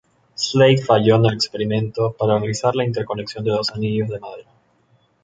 Slade falló en el experimento para realizar la interconexión de dos anillos de madera.